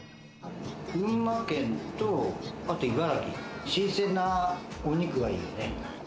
群馬県と、あと茨城、新鮮なお肉がいいよね。